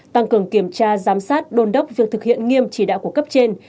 tăng cường kiểm tra giám sát đôn đốc việc thực hiện nghiêm chỉ đạo của cấp trên